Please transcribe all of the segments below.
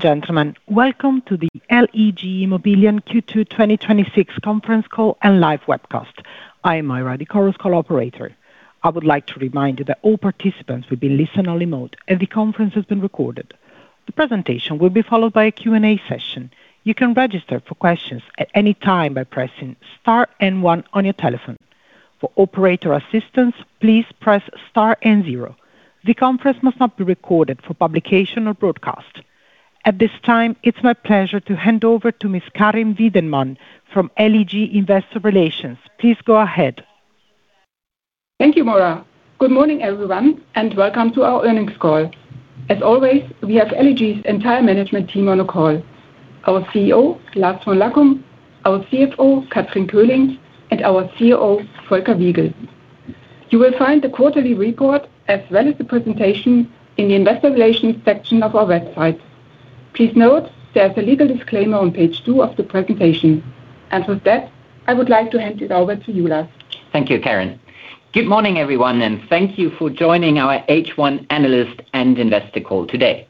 Gentlemen, welcome to the LEG Immobilien Q2 2026 conference call and live webcast. I am Moira, the conference call operator. I would like to remind you that all participants will be in listen-only mode, and the conference has been recorded. The presentation will be followed by a Q&A session. You can register for questions at any time by pressing star and one on your telephone. For operator assistance, please press star and zero. The conference must not be recorded for publication or broadcast. At this time, it's my pleasure to hand over to Ms. Karin Widenmann from LEG Investor Relations. Please go ahead. Thank you, Moira. Good morning, everyone, and welcome to our earnings call. As always, we have LEG's entire management team on the call. Our CEO, Lars von Lackum, our CFO, Kathrin Köhling, and our COO, Volker Wiegel. You will find the quarterly report as well as the presentation in the Investor Relations section of our website. Please note there is a legal disclaimer on page two of the presentation. With that, I would like to hand it over to you, Lars. Thank you, Karin. Good morning, everyone, and thank you for joining our H1 analyst and investor call today.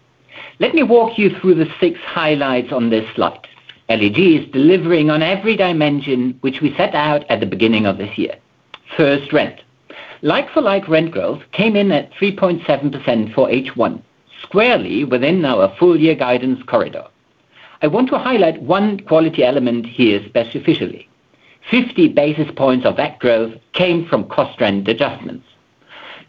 Let me walk you through the six highlights on this slide. LEG is delivering on every dimension, which we set out at the beginning of this year. First, rent. Like-for-ike rent growth came in at 3.7% for H1, squarely within our full-year guidance corridor. I want to highlight one quality element here specifically. 50 basis points of that growth came from cost rent adjustments.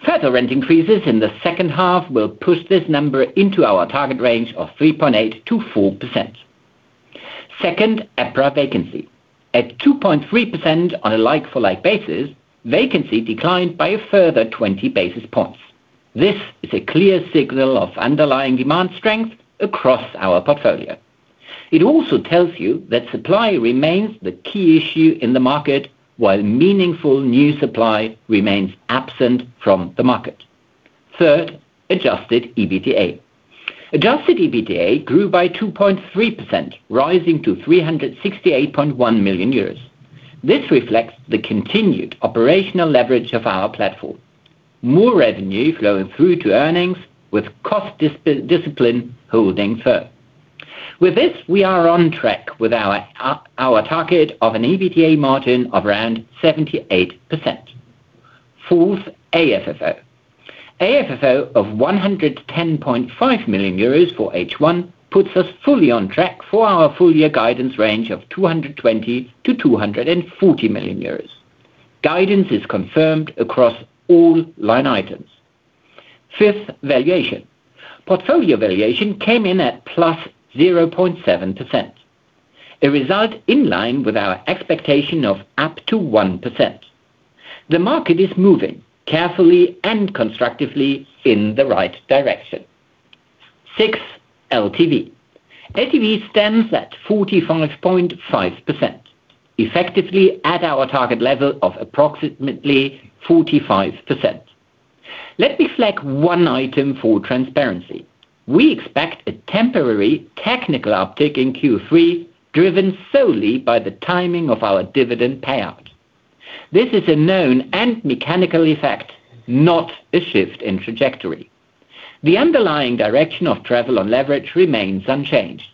Further rent increases in the second half will push this number into our target range of 3.8%-4%. Second, EPRA vacancy. At 2.3% on a like-for-like basis, vacancy declined by a further 20 basis points. This is a clear signal of underlying demand strength across our portfolio. It also tells you that supply remains the key issue in the market, while meaningful new supply remains absent from the market. Third, adjusted EBITDA. Adjusted EBITDA grew by 2.3%, rising to 368.1 million euros. This reflects the continued operational leverage of our platform. More revenue flowing through to earnings with cost discipline holding firm. With this, we are on track with our target of an EBITDA margin of around 78%. Fourth, AFFO. AFFO of 110.5 million euros for H1 puts us fully on track for our full-year guidance range of 220 million-240 million euros. Guidance is confirmed across all line items. Fifth, valuation. Portfolio valuation came in at +0.7%. A result in line with our expectation of up to 1%. The market is moving carefully and constructively in the right direction. Six, LTV. LTV stands at 45.5%, effectively at our target level of approximately 45%. Let me flag one item for transparency. We expect a temporary technical uptick in Q3, driven solely by the timing of our dividend payout. This is a known and mechanical effect, not a shift in trajectory. The underlying direction of travel and leverage remains unchanged,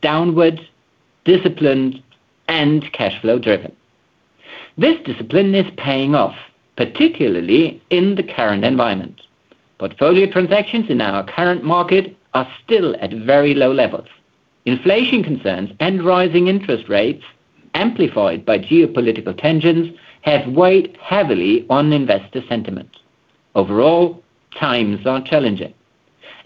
downwards, disciplined, and cash-flow-driven. This discipline is paying off, particularly in the current environment. Portfolio transactions in our current market are still at very low levels. Inflation concerns and rising interest rates, amplified by geopolitical tensions, have weighed heavily on investor sentiment. Overall, times are challenging.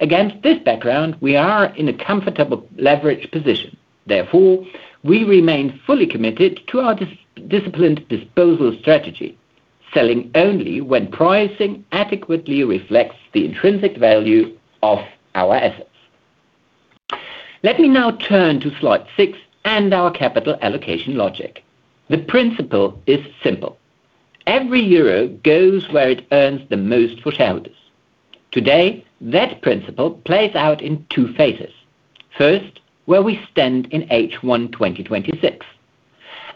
Against this background, we are in a comfortable leverage position. Therefore, we remain fully committed to our disciplined disposal strategy, selling only when pricing adequately reflects the intrinsic value of our assets. Let me now turn to slide six and our capital allocation logic. The principle is simple. Every euro goes where it earns the most for shareholders. Today, that principle plays out in two phases. First, where we stand in H1 2026.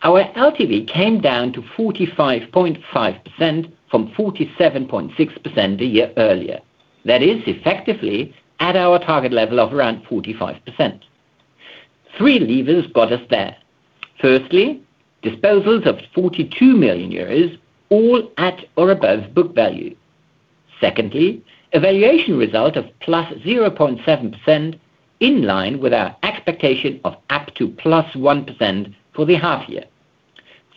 Our LTV came down to 45.5% from 47.6% a year earlier. That is effectively at our target level of around 45%. Three levers got us there. Firstly, disposals of 42 million euros all at or above book value. Secondly, a valuation result of +0.7% in line with our expectation of up to +1% for the half year.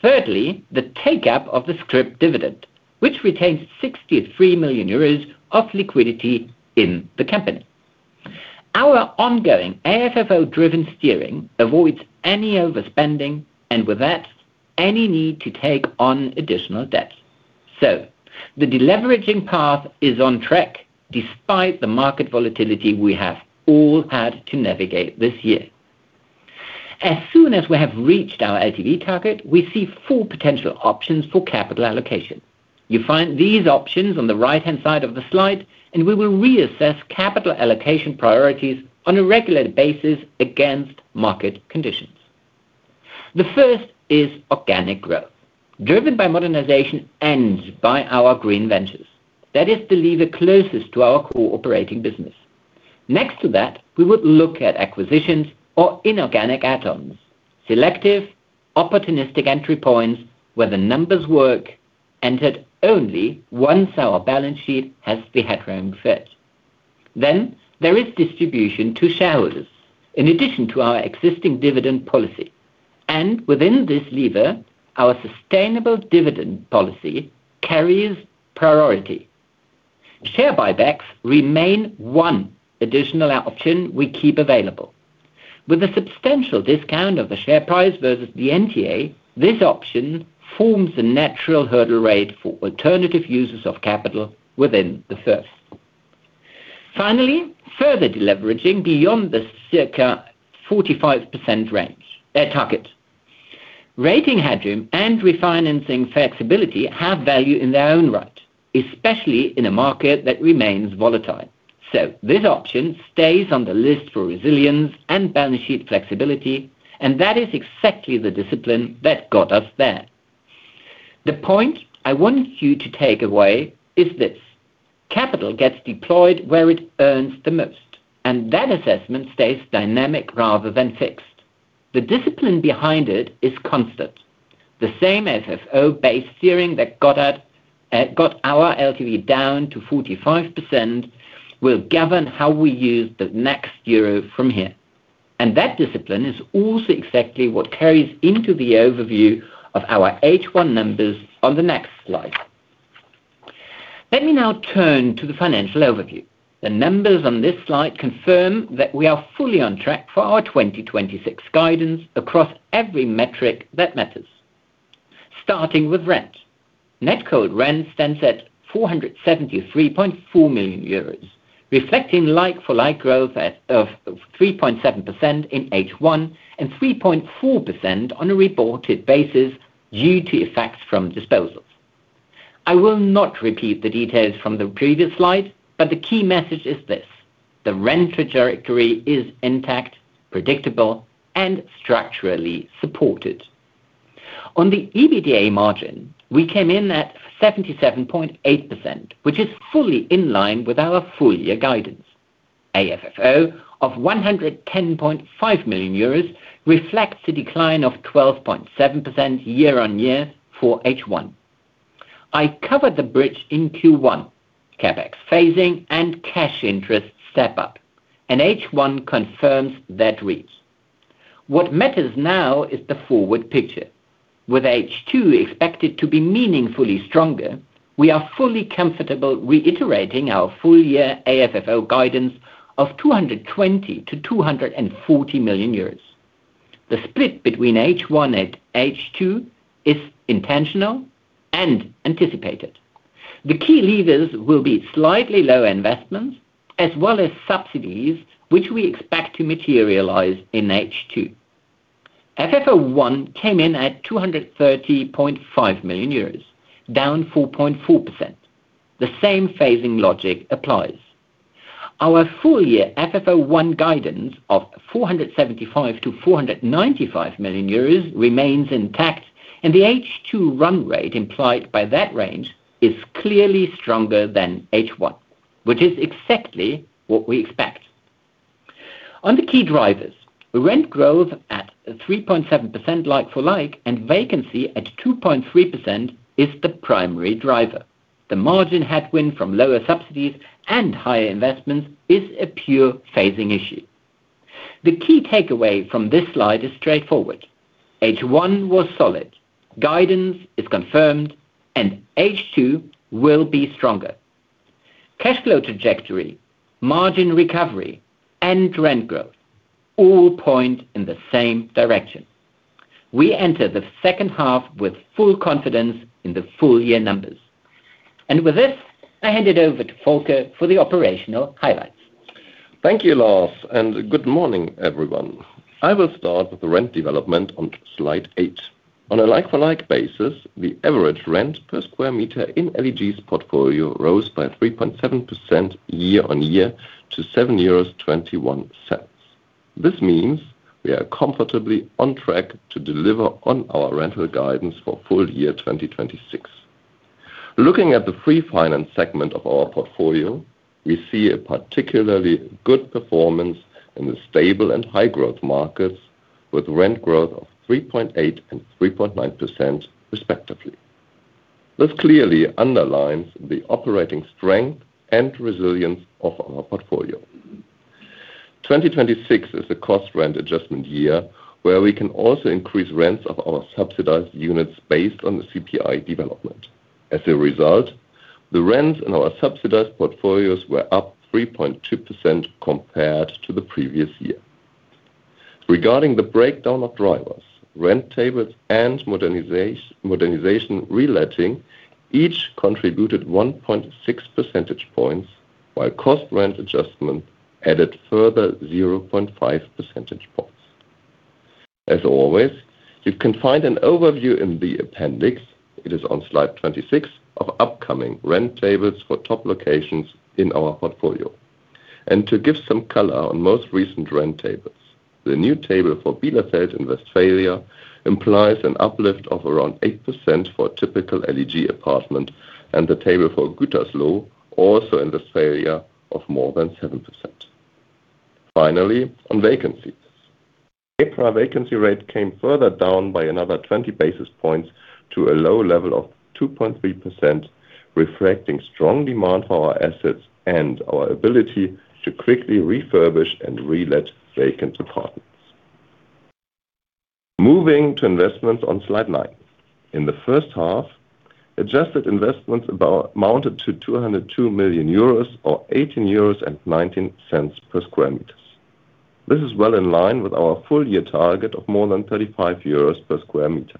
Thirdly, the take-up of the scrip dividend, which retains 63 million euros of liquidity in the company. Our ongoing AFFO-driven steering avoids any overspending, and with that, any need to take on additional debt. The deleveraging path is on track despite the market volatility we have all had to navigate this year. As soon as we have reached our LTV target, we see full potential options for capital allocation. You find these options on the right-hand side of the slide, and we will reassess capital allocation priorities on a regular basis against market conditions. The first is organic growth, driven by modernization and by our Green Ventures. That is the lever closest to our core operating business. Next to that, we would look at acquisitions or inorganic add-ons. Selective, opportunistic entry points where the numbers work, entered only once our balance sheet has the headroom fit. There is distribution to shareholders. In addition to our existing dividend policy. Within this lever, our sustainable dividend policy carries priority. Share buybacks remain one additional option we keep available. With a substantial discount of the share price versus the NTA, this option forms a natural hurdle rate for alternative uses of capital within the FFO. Finally, further deleveraging beyond the circa 45% range, their target. Rating headroom and refinancing flexibility have value in their own right, especially in a market that remains volatile. This option stays on the list for resilience and balance sheet flexibility, and that is exactly the discipline that got us there. The point I want you to take away is this: capital gets deployed where it earns the most, and that assessment stays dynamic rather than fixed. The discipline behind it is constant. The same FFO base steering that got our LTV down to 45% will govern how we use the next euro from here. That discipline is also exactly what carries into the overview of our H1 numbers on the next slide. Let me now turn to the financial overview. The numbers on this slide confirm that we are fully on track for our 2026 guidance across every metric that matters. Starting with rent. Net cold rent stands at 473.4 million euros, reflecting like-for-like growth of 3.7% in H1 and 3.4% on a reported basis due to effects from disposals. I will not repeat the details from the previous slide, but the key message is this: the rent trajectory is intact, predictable, and structurally supported. On the EBITDA margin, we came in at 77.8%, which is fully in line with our full-year guidance. AFFO of 110.5 million euros reflects the decline of 12.7% year-on-year for H1. I covered the bridge in Q1, CapEx phasing, and the cash interest step-up, and H1 confirms that reach. What matters now is the forward picture. With H2 expected to be meaningfully stronger, we are fully comfortable reiterating our full-year AFFO guidance of 220 million-240 million. The split between H1 and H2 is intentional and anticipated. The key levers will be slightly lower investments as well as subsidies, which we expect to materialize in H2. FFO 1 came in at 230.5 million euros, down 4.4%. The same phasing logic applies. Our full-year FFO 1 guidance of 475 million-495 million euros remains intact, and the H2 run rate implied by that range is clearly stronger than H1, which is exactly what we expect. On the key drivers. Rent growth at 3.7% like-for-like and vacancy at 2.3% are the primary drivers. The margin headwind from lower subsidies and higher investments is a pure phasing issue. The key takeaway from this slide is straightforward. H1 was solid. Guidance is confirmed; H2 will be stronger. Cash flow trajectory, margin recovery, and rent growth all point in the same direction. We enter the second half with full confidence in the full-year numbers. With this, I hand it over to Volker for the operational highlights. Thank you, Lars, and good morning, everyone. I will start with the rent development on slide eight. On a like-for-like basis, the average rent per square meter in LEG's portfolio rose by 3.7% year-on-year to 7.21 euros. This means we are comfortably on track to deliver on our rental guidance for the full year of 2026. Looking at the free finance segment of our portfolio, we see a particularly good performance in the stable and high-growth markets, with rent growth of 3.8% and 3.9%, respectively. This clearly underlines the operating strength and resilience of our portfolio. 2026 is a cost-rent adjustment year where we can also increase rents of our subsidized units based on the CPI development. As a result, the rents in our subsidized portfolios were up 3.2% compared to the previous year. Regarding the breakdown of drivers, rent tables and modernization reletting each contributed 1.6 percentage points, while cost-rent adjustment added further 0.5 percentage points. As always, you can find an overview in the appendix. It is on slide 26 of upcoming rent tables for top locations in our portfolio. To give some color to the most recent rent tables. The new table for Bielefeld in Westphalia implies an uplift of around 8% for a typical LEG apartment, and the table for Gütersloh, also in Westphalia, of more than 7%. Finally, on vacancies. The April vacancy rate came further down by another 20 basis points to a low level of 2.3%, reflecting strong demand for our assets and our ability to quickly refurbish and re-let vacant apartments. Moving to investments on slide nine. In the first half, adjusted investments amounted to 202 million euros, or 18.19 euros per square meter. This is well in line with our full-year target of more than 35 euros per square meter.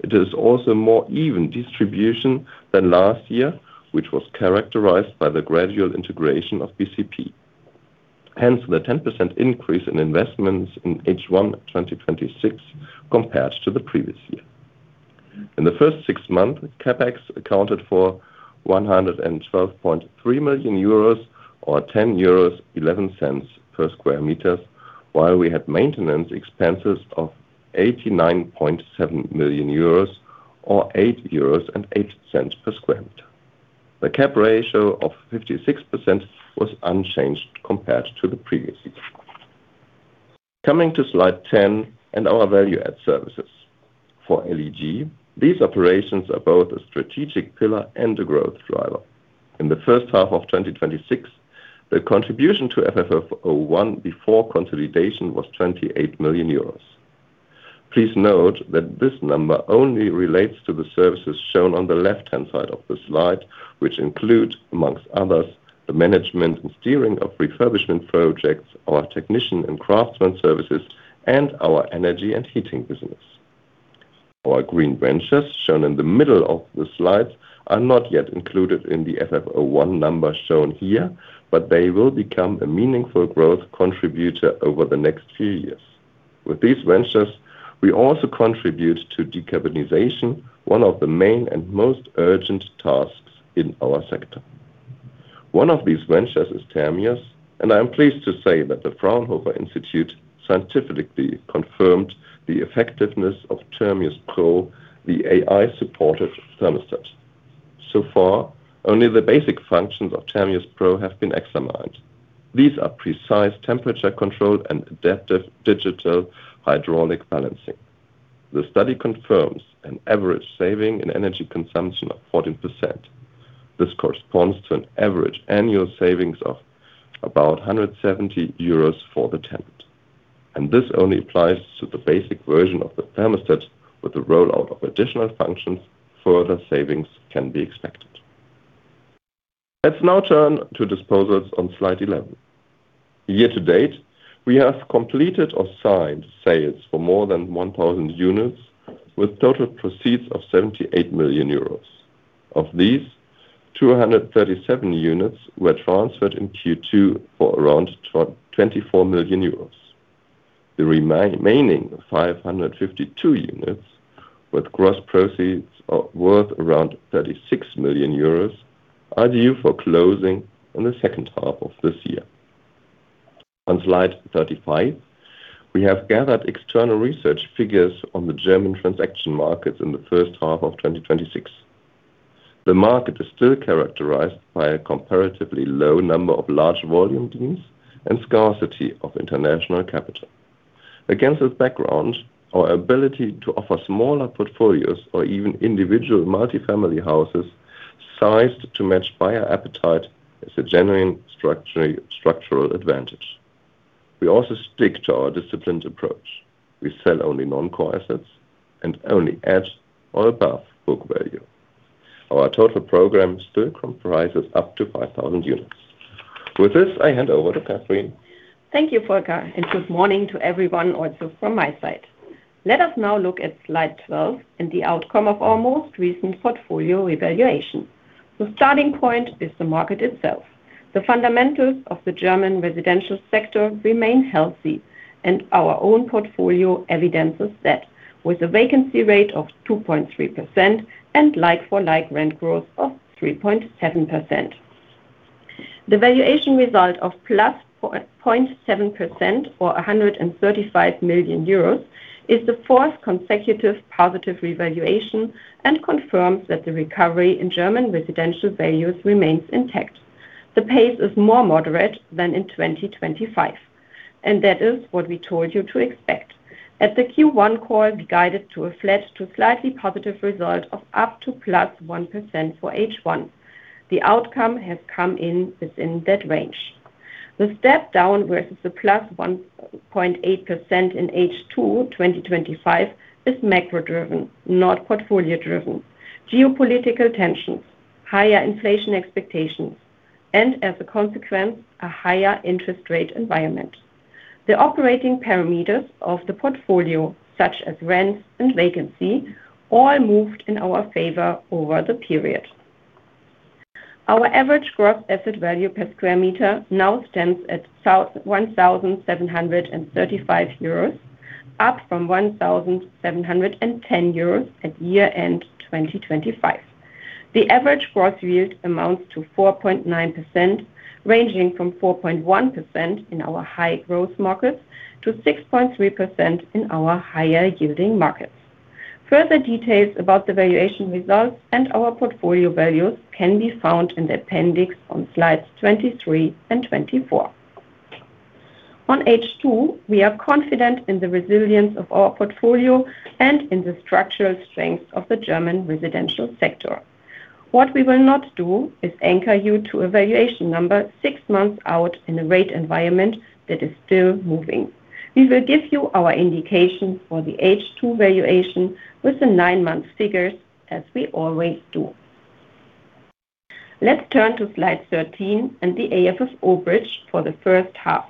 It is also more even distribution than last year, which was characterized by the gradual integration of BCP. Hence, the 10% increase in investments in H1 2026 compared to the previous year. In the first six months, CapEx accounted for 112.3 million euros, or 10.11 euros per square meter, while we had maintenance expenses of 89.7 million euros, or 8.08 euros per square meter. The cap ratio of 56% was unchanged compared to the previous year. Coming to slide 10 and our value-adding services. For LEG, these operations are both a strategic pillar and a growth driver. In the first half of 2026, the contribution to FFO 1 before consolidation was 28 million euros. Please note that this number only relates to the services shown on the left-hand side of the slide, which include, amongst others, the management and steering of refurbishment projects, our technician and craftsman services, and our energy and heating business. Our green ventures, shown in the middle of the slide, are not yet included in the FFO 1 number shown here, but they will become a meaningful growth contributor over the next few years. With these ventures, we also contribute to decarbonization, one of the main and most urgent tasks in our sector. One of these ventures is Termios, and I am pleased to say that the Fraunhofer Institute scientifically confirmed the effectiveness of Termios Pro, the AI-supported thermostat. So far, only the basic functions of Termios Pro have been examined. These are precise temperature control and adaptive digital hydraulic balancing. The study confirms an average saving in energy consumption of 14%. This corresponds to an average annual savings of about 170 euros for the tenant, and this only applies to the basic version of the thermostat. With the rollout of additional functions, further savings can be expected. Let's now turn to disposals on slide 11. Year-to-date, we have completed or signed sales for more than 1,000 units, with total proceeds of 78 million euros. Of these, 237 units were transferred in Q2 for around 24 million euros. The remaining 552 units, with gross proceeds worth around 36 million euros, are due for closing in the second half of this year. On slide 35, we have gathered external research figures on the German transaction markets in the first half of 2026. The market is still characterized by a comparatively low number of large-volume deals and scarcity of international capital. Against this background, our ability to offer smaller portfolios or even individual multi-family houses sized to match buyer appetite is a genuine structural advantage. We also stick to our disciplined approach. We sell only non-core assets and only at or above book value. Our total program still comprises up to 5,000 units. With this, I hand over to Kathrin. Thank you, Volker, and good morning to everyone also from my side. Let us now look at slide 12 and the outcome of our most recent portfolio revaluation. The starting point is the market itself. The fundamentals of the German residential sector remain healthy, and our own portfolio evidences that, with a vacancy rate of 2.3% and like-for-like rent growth of 3.7%. The valuation result of +0.7%, or 135 million euros, is the fourth consecutive positive revaluation and confirms that the recovery in German residential values remains intact. The pace is more moderate than in 2025. That is what we told you to expect. At the Q1 call, we guided to a flat-to-slightly-positive result of up to +1% for H1. The outcome has come in within that range. The step-down versus the +1.8% in H2 2025 is macro-driven, not portfolio-driven. Geopolitical tensions, higher inflation expectations, and, as a consequence, a higher interest rate environment. The operating parameters of the portfolio, such as rents and vacancy, all moved in our favor over the period. Our average gross asset value per square meter now stands at 1,735 euros, up from 1,710 euros at year-end 2025. The average gross yield amounts to 4.9%, ranging from 4.1% in our high-growth markets to 6.3% in our higher-yielding markets. Further details about the valuation results and our portfolio values can be found in the appendix on slides 23 and 24. On H2, we are confident in the resilience of our portfolio and in the structural strength of the German residential sector. What we will not do is anchor you to a valuation number six months out in a rate environment that is still moving. We will give you our indication for the H2 valuation with the nine-month figures, as we always do. Let's turn to slide 13 and the AFFO bridge for the first half.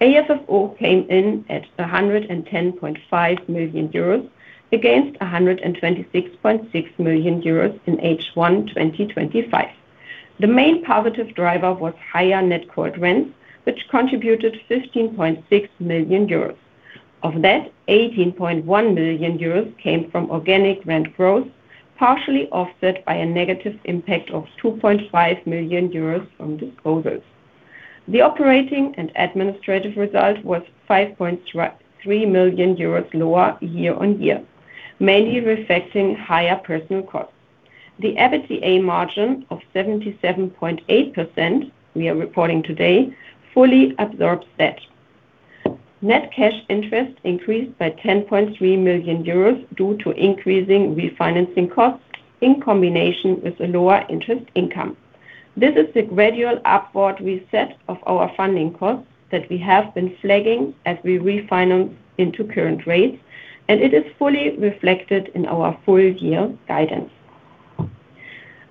AFFO came in at 110.5 million euros against 126.6 million euros in H1 2025. The main positive driver was higher net core rents, which contributed 15.6 million euros. Of that, 18.1 million euros came from organic rent growth, partially offset by a negative impact of 2.5 million euros from disposals. The operating and administrative result was 5.3 million euros lower year-on-year, mainly reflecting higher personal costs. The EBITDA margin of 77.8% we are reporting today fully absorbs that. Net cash interest increased by 10.3 million euros due to increasing refinancing costs in combination with a lower interest income. This is the gradual upward reset of our funding costs that we have been flagging as we refinance into current rates; it is fully reflected in our full-year guidance.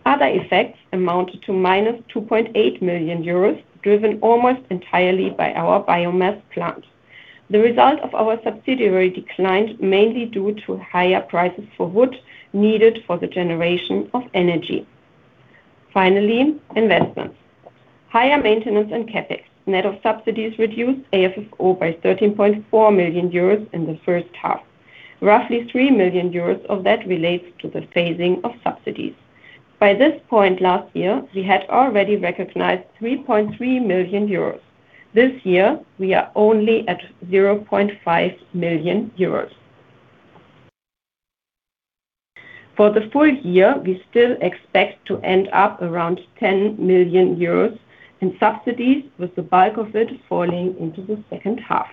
Other effects amounted to -2.8 million euros, driven almost entirely by our biomass plant. The result of our subsidiary declined mainly due to higher prices for wood needed for the generation of energy. Finally, investments. Higher maintenance and CapEx. Net of subsidies reduced AFFO by 13.4 million euros in the first half. Roughly 3 million euros of that relates to the phasing of subsidies. By this point last year, we had already recognized 3.3 million euros. This year, we are only at 0.5 million euros. For the full year, we still expect to end up around 10 million euros in subsidies, with the bulk of it falling into the second half.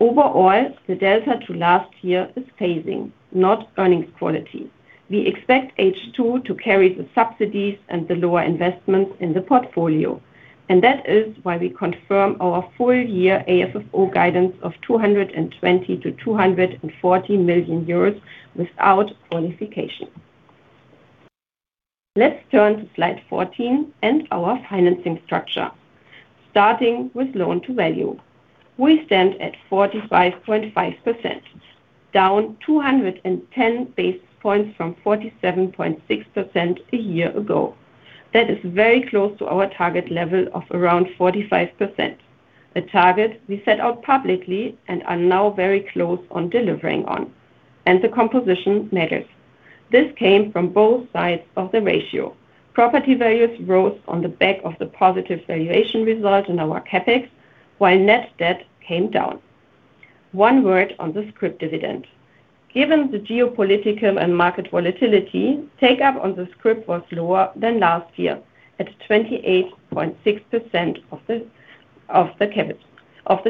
Overall, the delta to last year is phasing, not earnings quality. We expect H2 to carry the subsidies and the lower investments in the portfolio; that is why we confirm our full-year AFFO guidance of 220 million-240 million euros without qualification. Let's turn to slide 14 and our financing structure. Starting with loan-to-value. We stand at 45.5%, down 210 basis points from 47.6% a year ago. That is very close to our target level of around 45%, a target we set out publicly and are now very close on delivering on. The composition matters. This came from both sides of the ratio. Property values rose on the back of the positive valuation result in our CapEx, while net debt came down. One word on the scrip dividend. Given the geopolitical and market volatility, the take-up on the scrip was lower than last year at 28.6% of the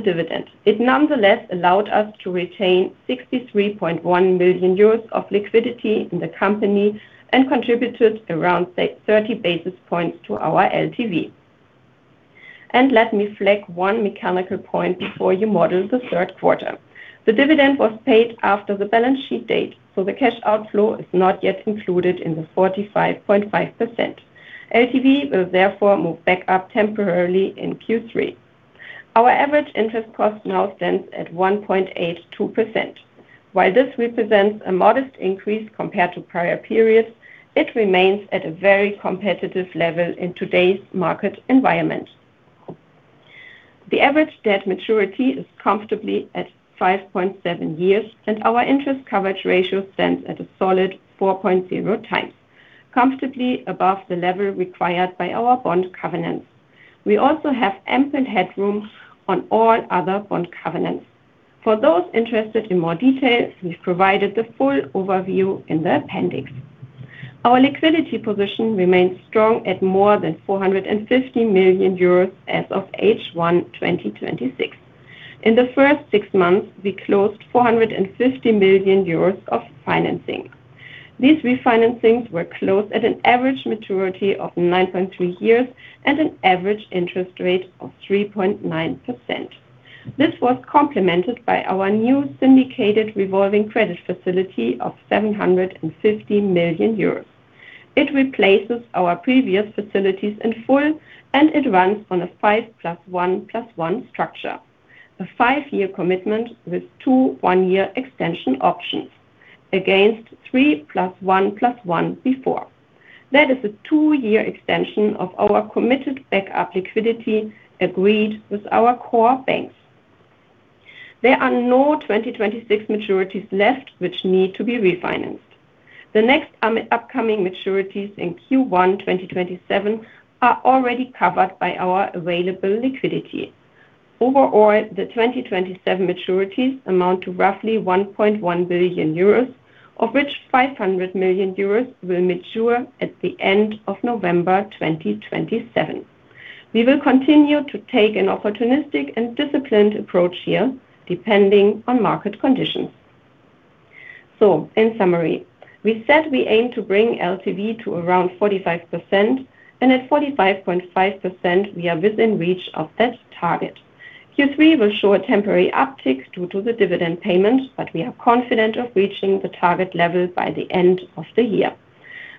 dividend. It nonetheless allowed us to retain 63.1 million euros of liquidity in the company and contributed around 30 basis points to our LTV. Let me flag one mechanical point before you model the third quarter. The dividend was paid after the balance sheet date, so the cash outflow is not yet included in the 45.5%. LTV will therefore move back up temporarily in Q3. Our average interest cost now stands at 1.82%. While this represents a modest increase compared to prior periods, it remains at a very competitive level in today's market environment. The average debt maturity is comfortably at 5.7 years, and our interest coverage ratio stands at a solid 4.0x, comfortably above the level required by our bond covenants. We also have ample headroom on all other bond covenants. For those interested in more details, we've provided the full overview in the appendix. Our liquidity position remains strong at more than 450 million euros as of H1 2026. In the first six months, we closed 450 million euros of financing. These refinancings were closed at an average maturity of 9.3 years and an average interest rate of 3.9%. This was complemented by our new syndicated revolving credit facility of 750 million euros. It replaces our previous facilities in full; it runs on a 5+1+1 A five-year commitment with two one-year extension options against 3+1+1 before. That is a two-year extension of our committed backup liquidity agreed with our core banks. There are no 2026 maturities left that need to be refinanced. The next upcoming maturities in Q1 2027 are already covered by our available liquidity. Overall, the 2027 maturities amount to roughly 1.1 billion euros, of which 500 million euros will mature at the end of November 2027. We will continue to take an opportunistic and disciplined approach here, depending on market conditions. In summary, we said we aim to bring LTV to around 45%, and at 45.5%, we are within reach of that target. Q3 will show a temporary uptick due to the dividend payment, but we are confident of reaching the target level by the end of the year.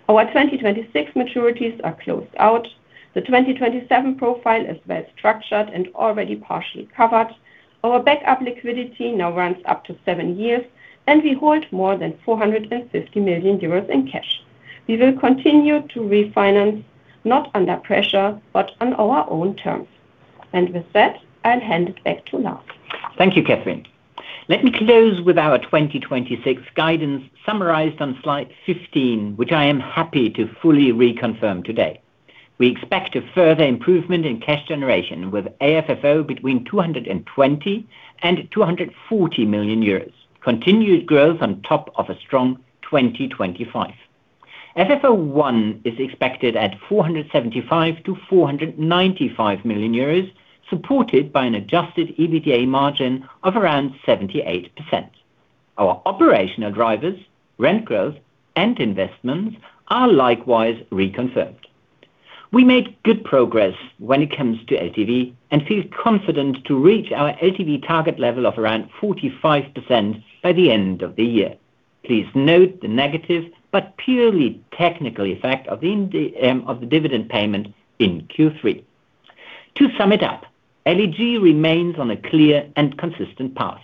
Our 2026 maturities are closed out. The 2027 profile is well structured and already partially covered. Our backup liquidity now runs up to seven years, and we hold more than 450 million euros in cash. We will continue to refinance, not under pressure, but on our own terms. With that, I'll hand it back to Lars. Thank you, Kathrin. Let me close with our 2026 guidance summarized on slide 15, which I am happy to fully reconfirm today. We expect a further improvement in cash generation with AFFO between 220 and 240 million euros, continued growth on top of a strong 2025. FFO 1 is expected at 475-495 million euros, supported by an adjusted EBITDA margin of around 78%. Our operational drivers, rent growth, and investments are likewise reconfirmed. We made good progress when it comes to LTV and feel confident to reach our LTV target level of around 45% by the end of the year. Please note the negative but purely technical effect of the dividend payment in Q3. To sum it up, LEG remains on a clear and consistent path,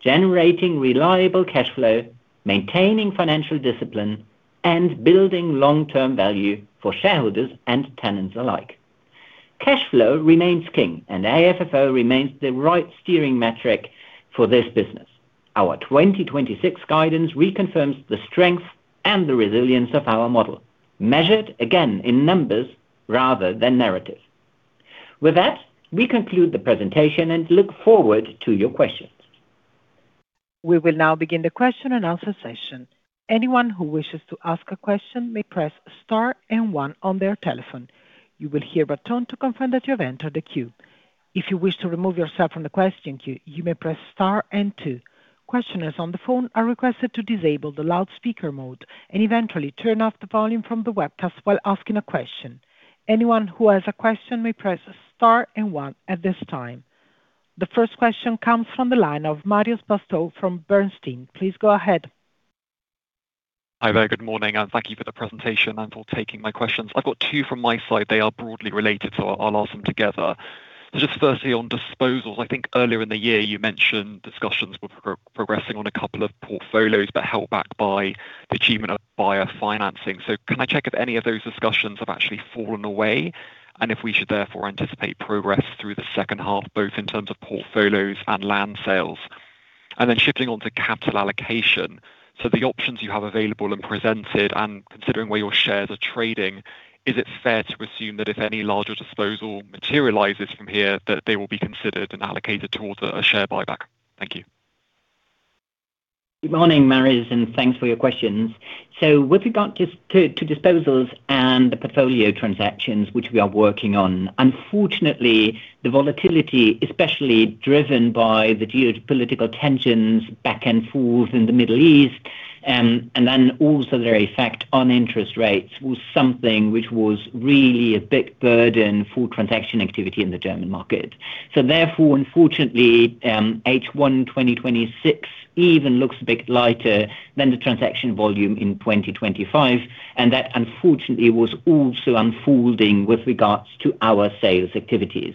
generating reliable cash flow, maintaining financial discipline, and building long-term value for shareholders and tenants alike. Cash flow remains king; AFFO remains the right steering metric for this business. Our 2026 guidance reconfirms the strength and the resilience of our model, measured, again, in numbers rather than narratives. With that, we conclude the presentation and look forward to your questions. We will now begin the question-and-answer session. Anyone who wishes to ask a question may press star and one on their telephone. You will hear a tone to confirm that you have entered the queue. If you wish to remove yourself from the question queue, you may press star and two. Questioners on the phone are requested to disable the loudspeaker mode and eventually turn off the volume from the webcast while asking a question. Anyone who has a question may press star and one at this time. The first question comes from the line of Marios Pastou from Bernstein. Please go ahead. Hi there. Good morning, and thank you for the presentation and for taking my questions. I have got two from my side. They are broadly related, so I will ask them together. Just firstly, on disposals, I think earlier in the year, you mentioned discussions were progressing on a couple of portfolios but held back by the achievement of buyer financing. Can I check if any of those discussions have actually fallen away? Should we therefore anticipate progress through the second half, both in terms of portfolios and land sales? Then shifting on to capital allocation. The options you have available and presented, and considering where your shares are trading, is it fair to assume that if any larger disposal materializes from here, they will be considered and allocated towards a share buyback? Thank you. Good morning, Marios, and thanks for your questions. With regard to disposals and the portfolio transactions, which we are working on, unfortunately, the volatility, especially driven by the geopolitical tensions back and forth in the Middle East, and then also their effect on interest rates, was something that was really a big burden for transaction activity in the German market. Unfortunately, H1 2026 even looks a bit lighter than the transaction volume in 2025, which, unfortunately, was also unfolding with regard to our sales activities.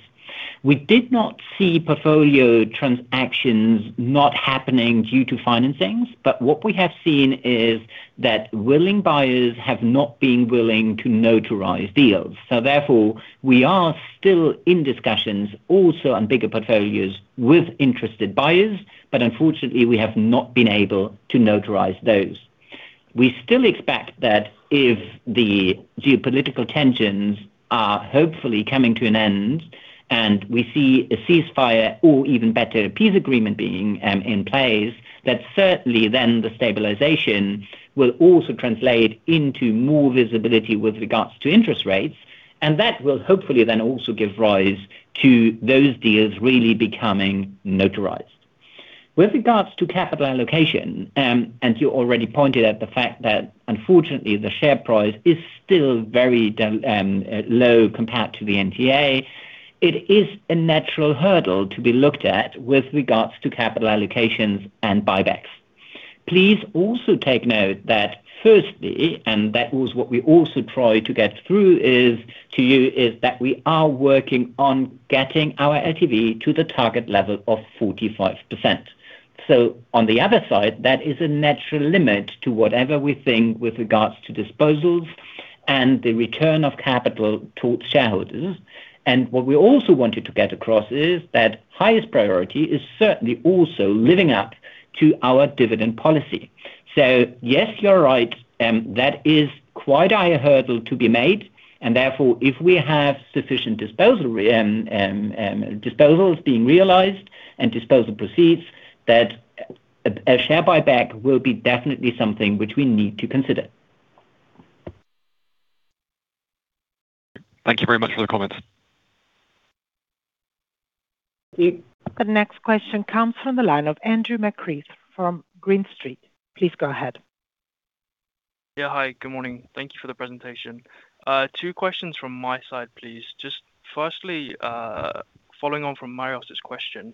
We did not see portfolio transactions not happening due to financings, but what we have seen is that willing buyers have not been willing to notarize deals. We are still in discussions also on bigger portfolios with interested buyers, but unfortunately, we have not been able to notarize those. We still expect that if the geopolitical tensions are hopefully coming to an end, we see a ceasefire or even better, a peace agreement being in place, that certainly the stabilization will also translate into more visibility with regards to interest rates, that will hopefully also give rise to those deals really becoming notarized. With regard to capital allocation, you already pointed out the fact that, unfortunately, the share price is still very low compared to the NTA; it is a natural hurdle to be looked at with regard to capital allocations and buybacks. Please also take note that firstly, what we also try to get through to you is that we are working on getting our LTV to the target level of 45%. On the other side, that is a natural limit to whatever we think with regard to disposals and the return of capital to shareholders. What we also wanted to get across is that the highest priority is certainly also living up to our dividend policy. Yes, you are right; that is quite a hurdle to be made, therefore, if we have sufficient disposals being realized and disposal proceeds, then a share buyback will definitely be something that we need to consider. Thank you very much for the comments. The next question comes from the line of Andrew McCreath from Green Street. Please go ahead. Yeah, hi. Good morning. Thank you for the presentation. Two questions from my side, please. Just firstly, following on from Marios' question,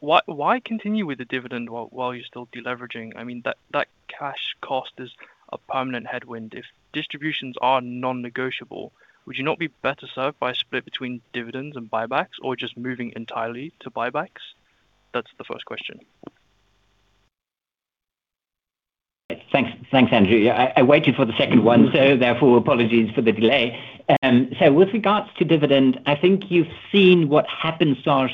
why continue with the dividend while you're still de-leveraging? That cash cost is a permanent headwind. If distributions are non-negotiable, would you not be better served by a split between dividends and buybacks or just moving entirely to buybacks? That's the first question. Thanks, Andrew. I waited for the second one; therefore, apologies for the delay. With regard to dividends, I think you've seen what happened to our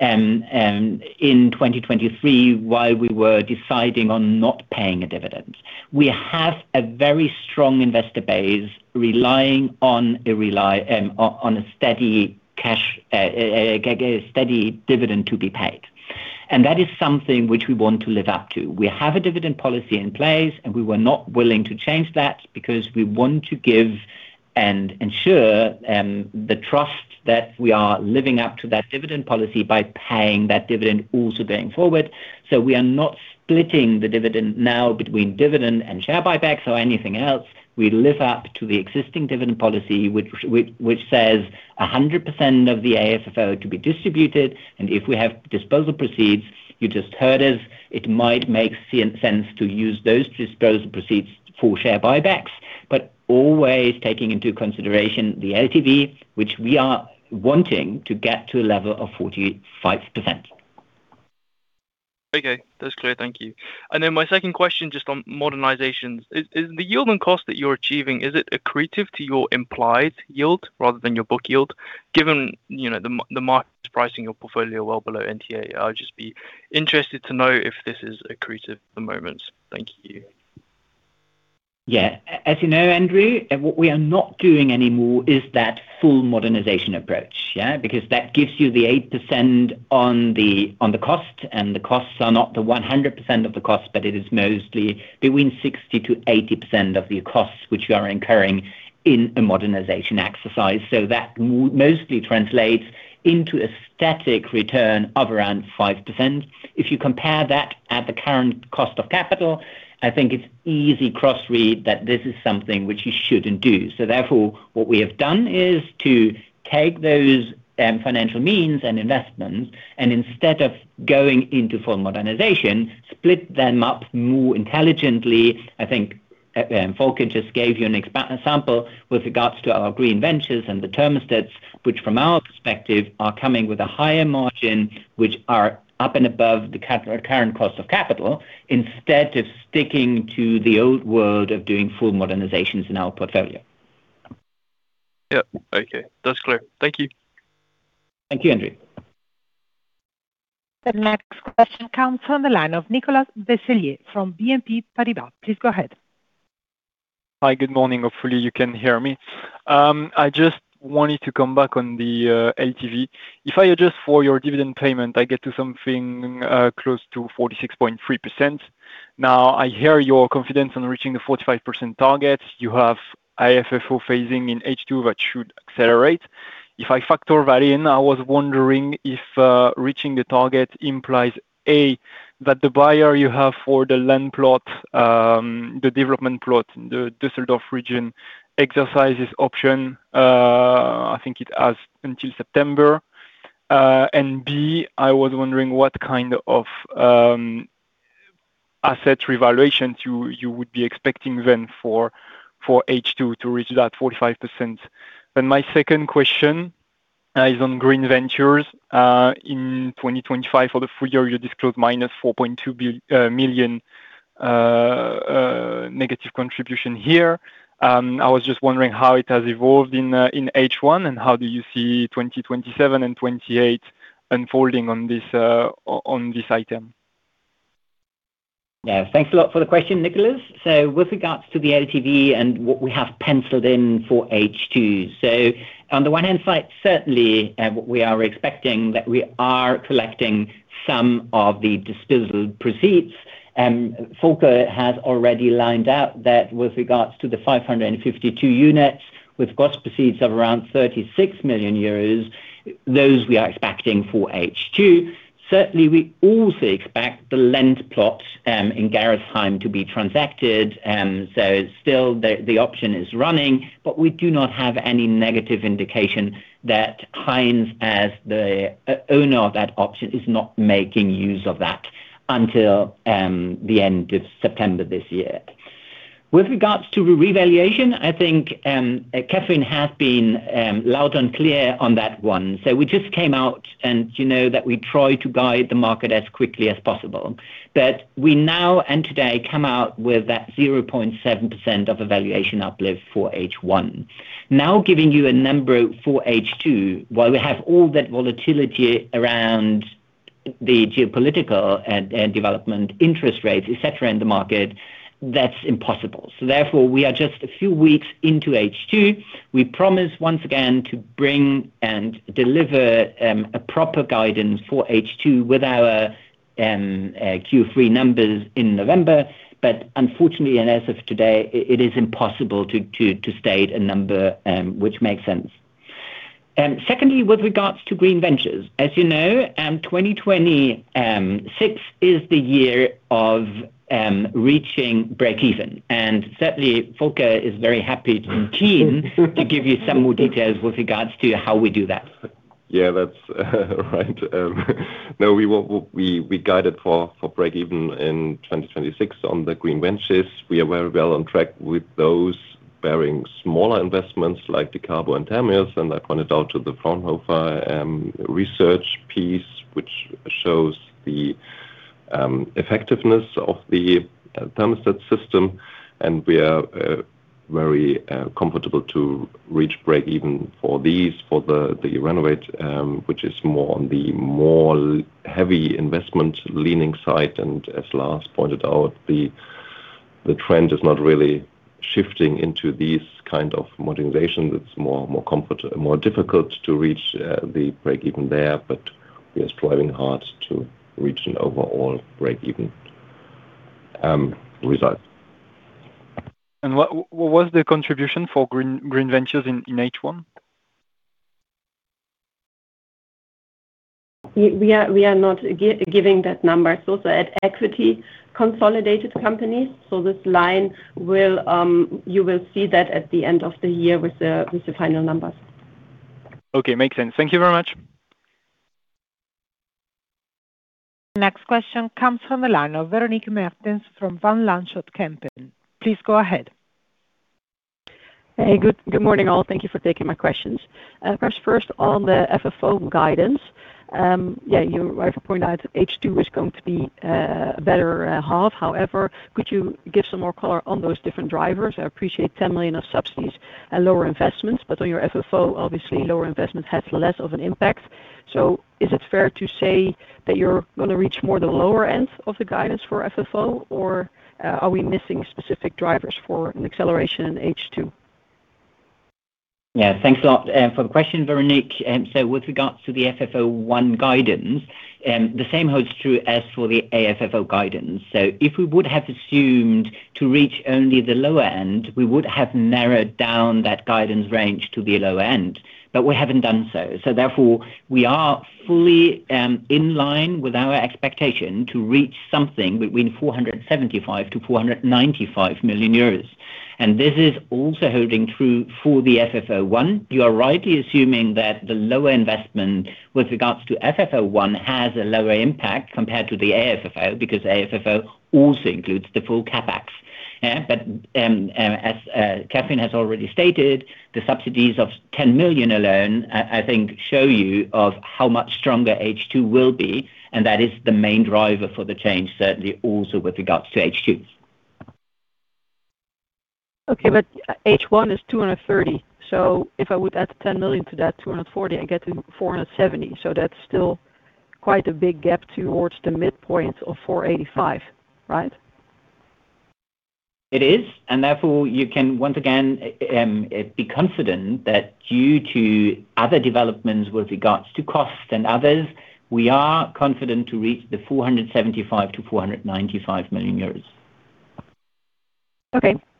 share price in 2023, while we were deciding on not paying a dividend. We have a very strong investor base relying on a steady dividend to be paid. That is something that we want to live up to. We have a dividend policy in place; we were not willing to change that because we want to give and ensure the trust that we are living up to that dividend policy by paying that dividend also going forward. We are not splitting the dividend now between dividend and share buybacks or anything else. We live up to the existing dividend policy, which says 100% of the AFFO is to be distributed. If we have disposal proceeds, you just heard us; it might make sense to use those disposal proceeds for share buybacks. Always taking into consideration the LTV, which we are wanting to get to a level of 45%. Okay. That's clear. Thank you. My second question, just on modernizations. Is the yield and cost that you're achieving, is it accretive to your implied yield rather than your book yield? Given the market is pricing your portfolio well below NTA, I'd just be interested to know if this is accretive at the moment. Thank you. Yeah. As you know, Andrew, what we are not doing anymore is that full modernization approach. That gives you the 8% on the cost, and the costs are not 100% of the cost, but they are mostly between 60%-80% of the costs that you are incurring in a modernization exercise. That mostly translates into a static return of around 5%. If you compare that to the current cost of capital, I think it's easy to cross-reading that this is something that you shouldn't do. Therefore, what we have done is to take those financial means and investments, and instead of going into full modernization, split them up more intelligently. I think Volker just gave you an example with regards to our green ventures and the thermostats, which from our perspective, are coming with a higher margin, which are up and above the current cost of capital, instead of sticking to the old world of doing full modernizations in our portfolio. Yeah. Okay. That's clear. Thank you. Thank you, Andrew. The next question comes from the line of Nicolas Vaysselier from BNP Paribas. Please go ahead. Hi. Good morning. Hopefully, you can hear me. I just wanted to come back on the LTV. If I adjust for your dividend payment, I get to something close to 46.3%. Now, I hear you're confident in reaching the 45% target. You have FFO 1 phasing in H2; that should accelerate. If I factor that in, I was wondering if reaching the target implies, A, that the buyer you have for the land plot, the development plot in the Düsseldorf region, exercises the option. I think it has until September. B, I was wondering what kind of asset revaluation you would be expecting then for H2 to reach that 45%. My second question is on green ventures. In 2025 for the full year, you disclosed a -4.2 million negative contribution here. I was just wondering how it has evolved in H1, and how do you see 2027 and 2028 unfolding on this item? Thanks a lot for the question, Nicolas. With regard to the LTV and what we have penciled in for H2. On the one hand, certainly, we are expecting that we are collecting some of the disposal proceeds. Volker has already lined out that with regard to the 552 units with cost proceeds of around 36 million euros, those are what we are expecting for H2. Certainly, we also expect the land plots in Gerresheim to be transacted. Still the option is running, but we do not have any negative indication that Heinz, as the owner of that option, is not making use of that until the end of September this year. With regards to revaluation, I think Kathrin has been loud and clear on that one. We just came out, and you know that we try to guide the market as quickly as possible, but we now and today come out with that 0.7% of evaluation uplift for H1. Giving you a number for H2, while we have all that volatility around the geopolitical and development interest rates, et cetera, in the market, that's impossible. Therefore, we are just a few weeks into H2, we promise once again to bring and deliver proper guidance for H2 with our Q3 numbers in November. Unfortunately, and as of today, it is impossible to state a number that makes sense. Secondly, with regard to green ventures, as you know, 2026 is the year of reaching breakeven, and certainly Volker is very happy to keen to give you some more details with regard to how we do that. That's right. We guided for breakeven in 2026 on the green ventures. We are very well on track with those very small investments like Dekarbo and Termios. I pointed out the Fraunhofer research piece, which shows the effectiveness of the thermostat system, and we are very comfortable reach breakeven for these, for the RENOWATE, which is more on the heavier investment-leaning side. As Lars pointed out, the trend is not really shifting into these kinds of modernizations. It's more difficult to reach the breakeven there, but we are striving hard to reach an overall breakeven result. What was the contribution for green ventures in H1? We are not giving that number. It's also at equity-consolidated companies; in this line, you will see that at the end of the year with the final numbers. Okay. Makes sense. Thank you very much. The next question comes from the line of Véronique Meertens from Van Lanschot Kempen. Please go ahead. Good morning, all. Thank you for taking my questions. Perhaps first on the FFO guidance. You rightly point out H2 is going to be a better half. Could you give some more color to those different drivers? I appreciate 10 million of subsidies and lower investments, on your FFO, obviously lower investment has less of an impact. Is it fair to say that you're going to reach more of the lower end of the guidance for FFO, or are we missing specific drivers for an acceleration in H2? Thanks a lot for the question, Véronique. With regard to the FFO 1 guidance, the same holds true as for the AFFO guidance. If we would have assumed to reach only the lower end, we would have narrowed down that guidance range to the lower end; we haven't done so. Therefore, we are fully in line with our expectation to reach something between 475 million-495 million euros. This is also holding true for the FFO 1. You are rightly assuming that the lower investment with regard to FFO 1 has a lower impact compared to the AFFO because AFFO also includes the full CapEx. As Kathrin has already stated, the subsidies of 10 million alone, I think, show you how much stronger H2 will be, and that is the main driver for the change, certainly also with regard to H2. Okay. H1 is 230 million; if I were to add 10 million to that 240 million, I would get to 470 million. That's still quite a big gap towards the midpoint of 485 million, right? It is; you can once again be confident that due to other developments with regard to costs and others, we are confident to reach the 475 million-495 million euros.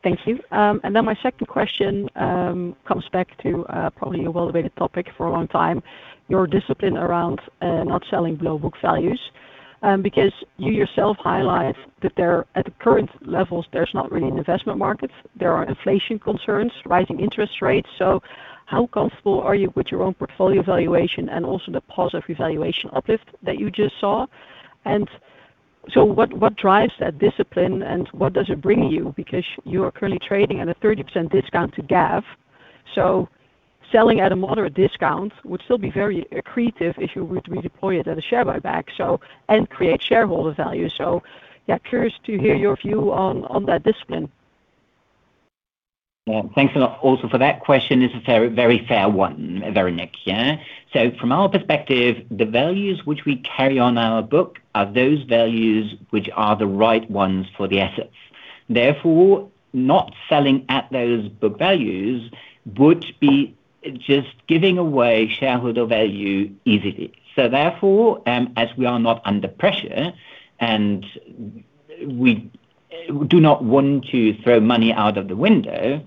My second question comes back to probably a well-debated topic for a long time, your discipline around not selling below book values. You yourself highlight that at the current levels, there's not really an investment market. There are inflation concerns and rising interest rates. How comfortable are you with your own portfolio valuation and also the positive revaluation uplift that you just saw? What drives that discipline, and what does it bring you? You are currently trading at a 30% discount to GAV; selling at a moderate discount would still be very accretive if you were to redeploy it at a share buyback and create shareholder value. Curious to hear your view on that discipline. Thanks a lot also for that question. It's a very fair one, Véronique. From our perspective, the values that we carry in our book are those values that are the right ones for the assets. Therefore, not selling at those book values would be just giving away shareholder value easily. As we are not under pressure and we do not want to throw money out of the window,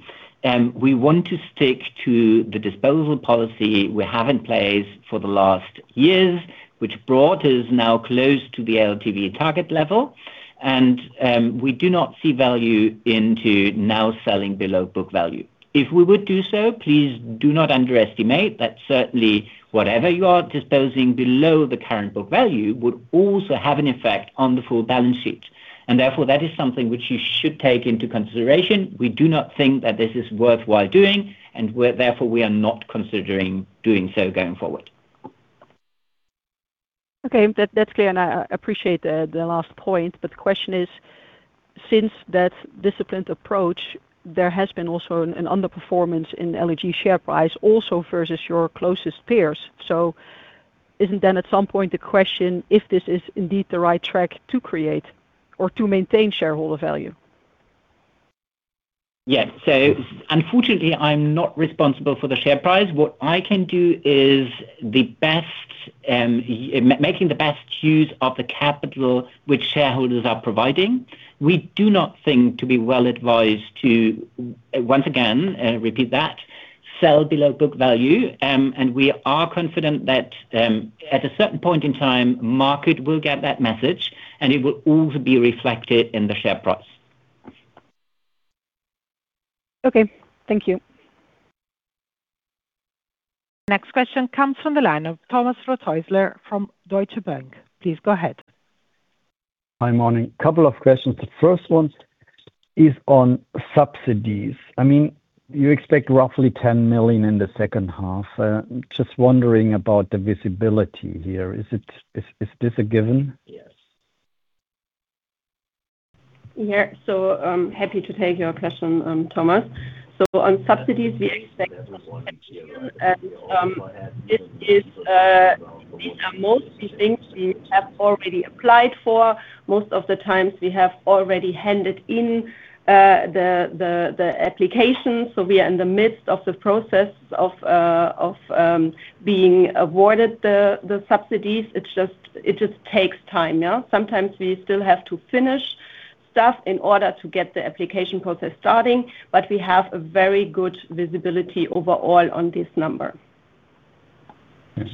we want to stick to the disposal policy we have in place for the last years, which brought us now close to the LTV target level. We do not see value in now selling below book value. If we would do so, please do not underestimate that certainly whatever you are disposing of below the current book value would also have an effect on the full balance sheet. Therefore, that is something that you should take into consideration. We do not think that this is worthwhile doing. Therefore, we are not considering doing so going forward. That's clear. I appreciate the last point, the question is, since that disciplined approach, there has also been an underperformance in the LEG share price versus your closest peers. Isn't then at some point the question if this is indeed the right track to create or to maintain shareholder value? Yes. Unfortunately, I am not responsible for the share price. What I can do is making the best use of the capital that shareholders are providing. We do not think we are well advised to, once again, repeat that, sell below book value. We are confident that at a certain point in time, the market will get that message, and it will also be reflected in the share price. Okay. Thank you. The next question comes from the line of Thomas Rothäusler from Deutsche Bank. Please go ahead. Hi, morning. Couple of questions. The first one is on subsidies. You expect roughly 10 million in the second half. Just wondering about the visibility here. Is this a given? Yes. Yeah. Happy to take your question, Thomas. On subsidies, we expect [inaudible] are mostly things we have already applied for. Most of the times we have already handed in the applications. We are in the midst of the process of being awarded the subsidies. It just takes time. Sometimes we still have to finish stuff in order to get the application process starting, but we have a very good visibility overall on this number. Yes.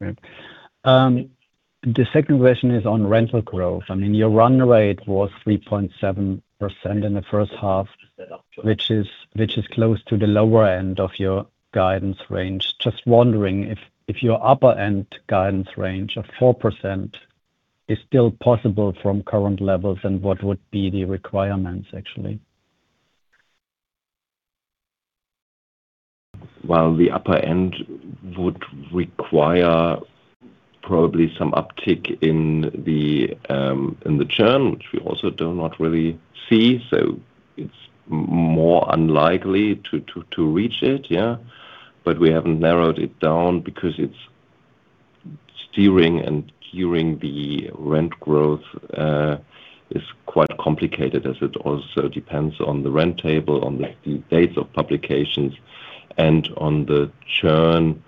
Great. The second question is on rental growth. Your run rate was 3.7% in the first half, which is close to the lower end of your guidance range. Just wondering if your upper-end guidance range of 4% is still possible from current levels, what would be the requirements actually? Well, the upper end would require probably some uptick in the churn, which we also do not really see. It's more unlikely to reach it, yeah. We haven't narrowed it down because steering and curing the rent growth is quite complicated, as it also depends on the rent table, on the dates of publications, and on the churn,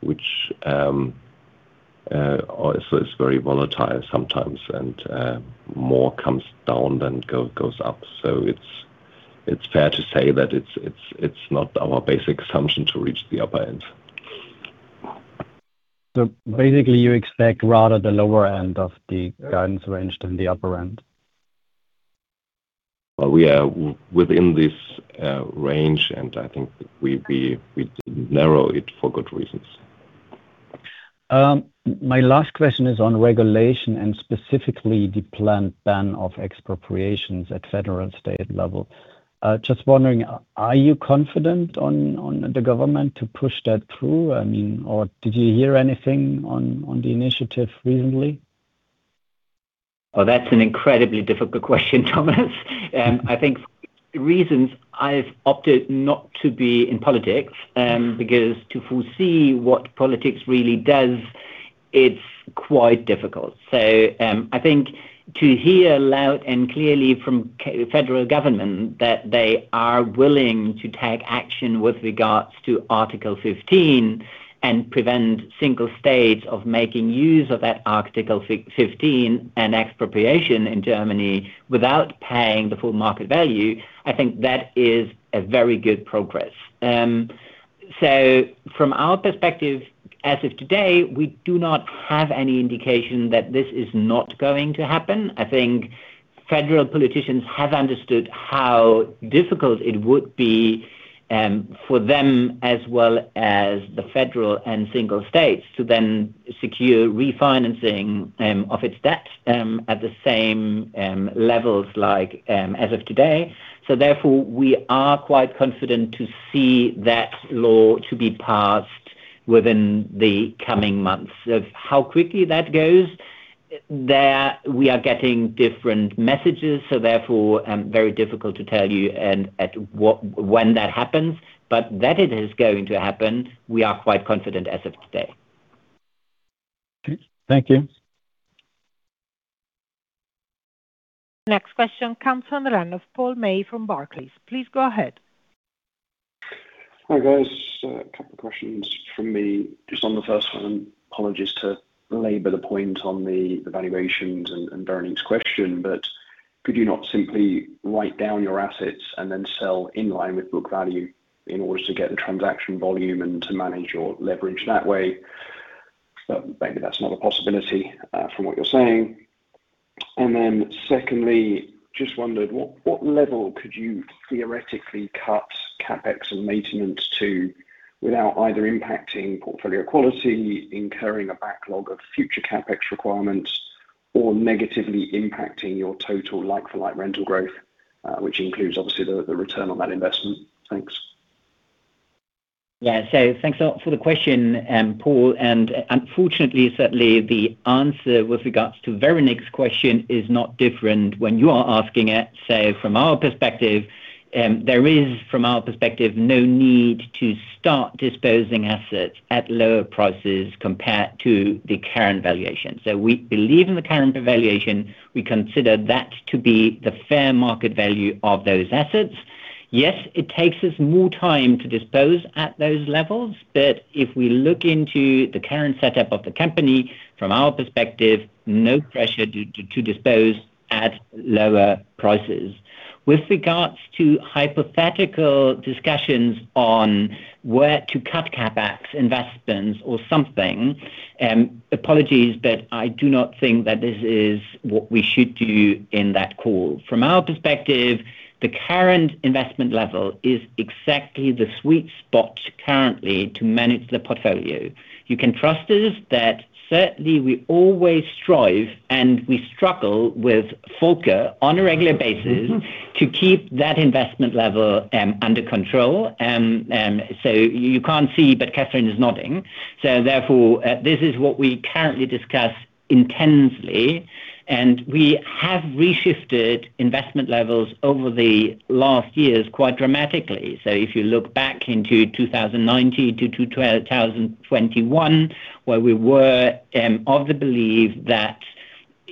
which is very volatile sometimes, and more comes down than goes up. It's fair to say that it's not our basic assumption to reach the upper end. Basically, you expect the lower end of the guidance range rather than the upper end? Well, we are within this range; I think we narrow it for good reasons. My last question is on regulation and specifically the planned ban of expropriations at the federal-state level. Just wondering, are you confident in the government pushing that through? Did you hear anything on the initiative recently? Well, that's an incredibly difficult question, Thomas. I think there are reasons I've opted not to be in politics, because to foresee what politics really does is quite difficult. I think to hear loud and clear from the federal government that they are willing to take action with regard to Article 15 and prevent single states from making use of that Article 15 and expropriation in Germany without paying the full market value, I think that is a very good progress. From our perspective, as of today, we do not have any indication that this is not going to happen. I think federal politicians have understood how difficult it would be for them as well as the federal and single states to then secure refinancing of their debt at the same levels as of today. Therefore, we are quite confident to see that law be passed within the coming months. Of how quickly that goes, there we are getting different messages; therefore, it is very difficult to tell you when that happens. That it is going to happen, we are quite confident as of today. Thank you. The next question comes from the line of Paul May from Barclays. Please go ahead. Hi, guys. A couple of questions from me. Just on the first one, apologies for laboring to the point on the valuations and Véronique's question, could you not simply write down your assets and then sell in line with book value in order to get the transaction volume and to manage your leverage that way? Maybe that's not a possibility from what you're saying. Secondly, I just wondered what level you could theoretically cut CapEx and maintenance to without either impacting portfolio quality, incurring a backlog of future CapEx requirements, or negatively impacting your total like-for-like rental growth, which includes obviously the return on that investment? Thanks. Yeah. Thanks for the question, Paul. Unfortunately, certainly the answer with regard to Véronique's question is not different when you are asking it. From our perspective, there is no need to start disposing of assets at lower prices compared to the current valuation. We believe in the current valuation; we consider that to be the fair market value of those assets. Yes, it takes us more time to dispose at those levels, but if we look into the current setup of the company, from our perspective, there is no pressure to dispose at lower prices. With regards to hypothetical discussions on where to cut CapEx investments or something, apologies, but I do not think that this is what we should do in that call. From our perspective, the current investment level is exactly the sweet spot currently to manage the portfolio. You can trust us that certainly we always strive, and we struggle with Volker on a regular basis to keep that investment level under control. You can't see, but Kathrin is nodding. This is what we currently discuss intensely, and we have reshifted investment levels over the last years quite dramatically. If you look back into 2019 to 2021, where we were of the belief that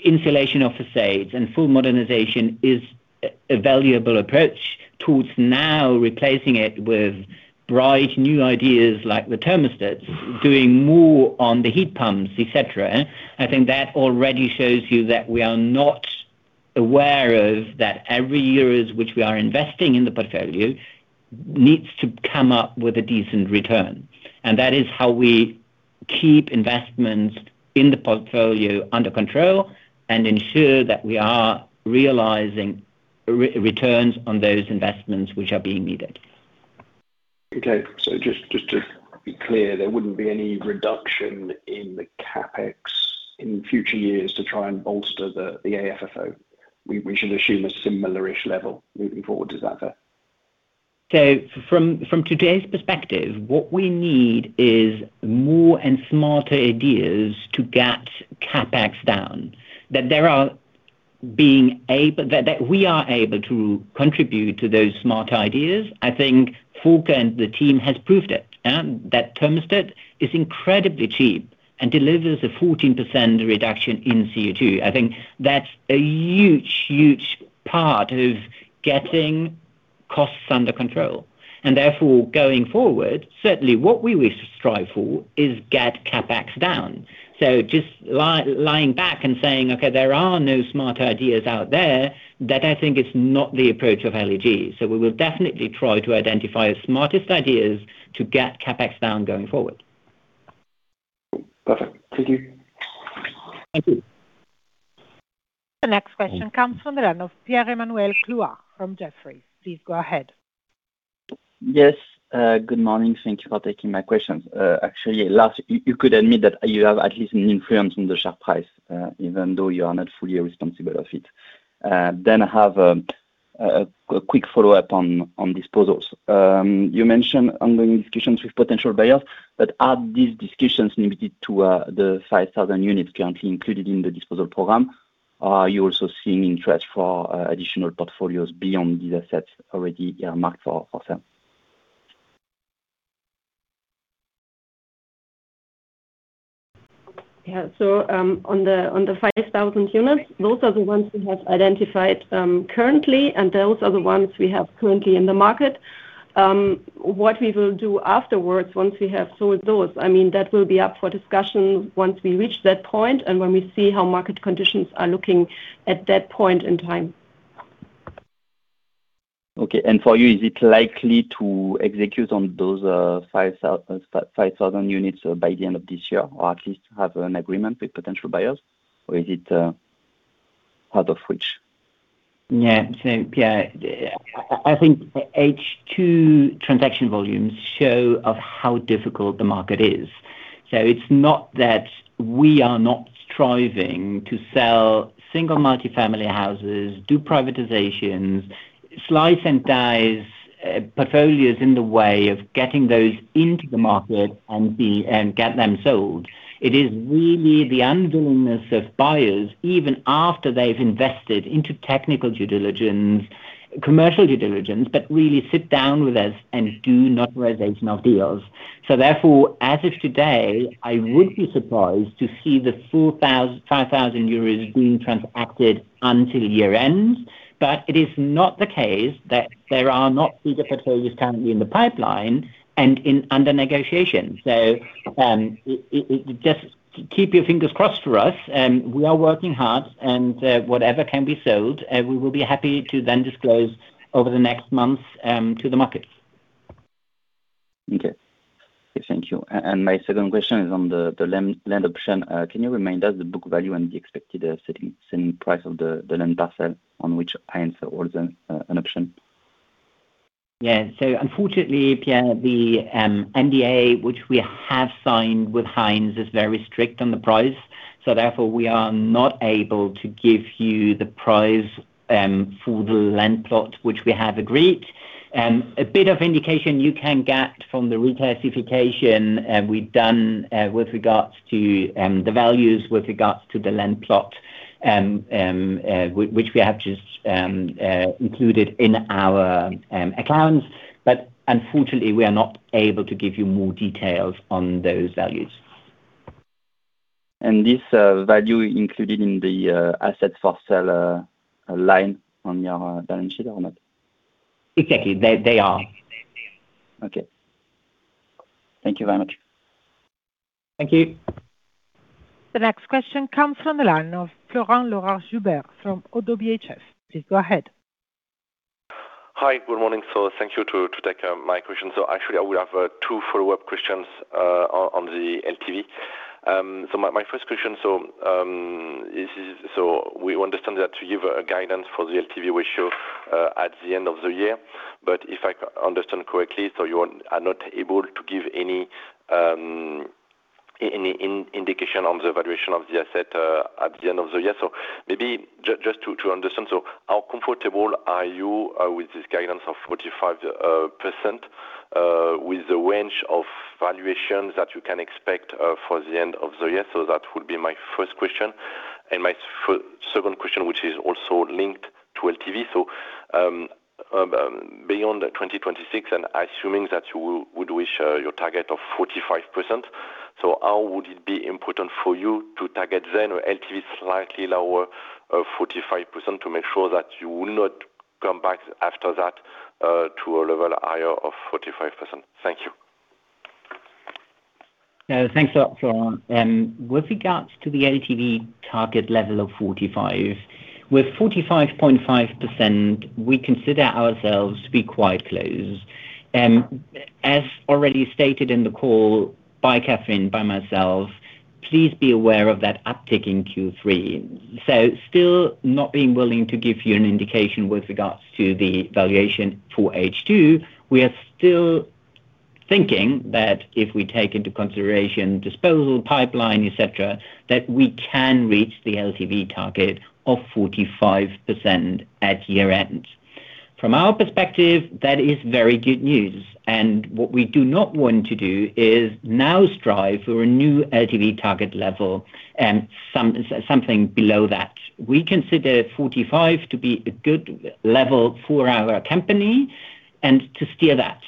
insulation of facades and full modernization is a valuable approach towards now replacing it with bright new ideas like the thermostats, doing more on the heat pumps, et cetera. I think that already shows you that we are not aware that every year in which we are investing in the portfolio needs to come up with a decent return. That is how we keep investments in the portfolio under control and ensure that we are realizing returns on those investments which are being needed. Okay. Just to be clear, there wouldn't be any reduction in the CapEx in future years to try and bolster the AFFO. We should assume a similar-ish level moving forward. Is that fair? From today's perspective, what we need is more and smarter ideas to get CapEx down. That we are able to contribute to those smart ideas, I think Volker and the team have proved it. That thermostat is incredibly cheap and delivers a 14% reduction in CO₂. I think that's a huge part of getting costs under control; therefore, going forward, certainly what we will strive for is to get CapEx down. Just lying back and saying, Okay, there are no smarter ideas out there, that I think is not the approach of LEG. We will definitely try to identify the smartest ideas to get CapEx down going forward. Perfect. Thank you. Thank you. The next question comes from the line of Pierre-Emmanuel Clouard from Jefferies. Please go ahead. Yes, good morning. Thank you for taking my questions. Actually, Lars, you could admit that you have at least an influence on the share price, even though you are not fully responsible of it. I have a quick follow-up on disposals. You mentioned ongoing discussions with potential buyers, but are these discussions limited to the 5,000 units currently included in the disposal program? Are you also seeing interest for additional portfolios beyond these assets already marked for sale? Yeah. On the 5,000 units, those are the ones we have identified currently, and those are the ones we have currently in the market. What we will do afterwards once we have sold those—that will be up for discussion once we reach that point and when we see how market conditions are looking at that point in time. Okay. For you, is it likely to execute on those 5,000 units by the end of this year, or at least have an agreement with potential buyers? Or is it part of which? Yeah. Pierre, I think H2 transaction volumes show how difficult the market is. It's not that we are not striving to sell single multifamily houses, do privatizations, and slice and dice portfolios in the way of getting those into the market and getting them sold. It is really the unwillingness of buyers, even after they've invested in technical due diligence and commercial due diligence, to really sit down with us and do notarizational deals. Therefore, as of today, I would be surprised to see the 5,000 units being transacted until year-end. It is not the case that there are not bigger portfolios currently in the pipeline and under negotiation. Just keep your fingers crossed for us. We are working hard, and whatever can be sold, we will be happy to then disclose over the next months to the markets. Okay. Thank you. My second question is on the land option. Can you remind us the book value and the expected selling price of the land parcel on which Heinz holds an option? Unfortunately, Pierre, the NDA which we have signed with Heinz is very strict on the price. Therefore, we are not able to give you the price for the land plot, which we have agreed on. A bit of indication you can get from the reclassification we've done with regard to the values, with regard to the land plot, which we have just included in our accounts. Unfortunately, we are not able to give you more details on those values. This value included in the asset for sale line on your balance sheet or not? Exactly. They are. Okay. Thank you very much. Thank you. The next question comes from the line of Florent Laroche-Joubert from Oddo BHF. Please go ahead. Hi. Good morning. Thank you for taking my question. Actually, I will have two follow-up questions on the LTV. My first question is, so we understand that you give guidance for the LTV ratio at the end of the year, but if I understand correctly, you are not able to give any indication on the valuation of the asset at the end of the year. Maybe just to understand, so how comfortable are you with this guidance of 45% with the range of valuations that you can expect for the end of the year? That would be my first question. My second question, which is also linked to LTV, so beyond 2026, and assuming that you would reach your target of 45%, so how would it be important for you to target then LTV slightly lower of 45% to make sure that you will not come back after that to a level higher of 45%? Thank you. Thanks a lot, Florent. With regard to the LTV target level of 45%, with 45.5%, we consider ourselves to be quite close. As already stated in the call by Kathrin, by myself, please be aware of that uptick in Q3. Still not being willing to give you an indication with regard to the valuation for H2, we are still thinking that if we take into consideration the disposal pipeline, et cetera, we can reach the LTV target of 45% at year-end. From our perspective, that is very good news. What we do not want to do is now strive for a new LTV target level and something below that. We consider 45% to be a good level for our company and to steer that.